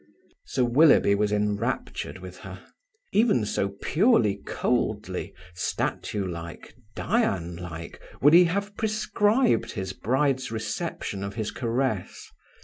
Sir Willoughby was enraptured with her. Even so purely coldly, statue like, Dian like, would he have prescribed his bride's reception of his caress.